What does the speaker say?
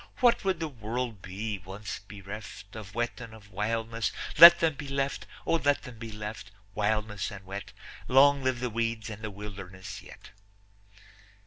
What would the world be, once bereft Of wet and of wildness? Let them be left, O let them be left, wildness and wet; Long live the weeds and the wilderness yet.